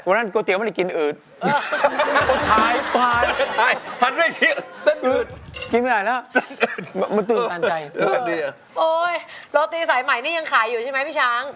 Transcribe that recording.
โรตีสายใหม่นี่ยังขายอยู่ใช่ไหมพี่ช้าง